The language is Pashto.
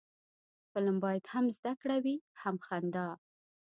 فلم باید هم زده کړه وي، هم خندا